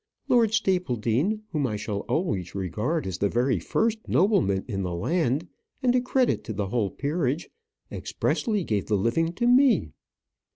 Lord Stapledean, whom I shall always regard as the very first nobleman in the land, and a credit to the whole peerage, expressly gave the living to me."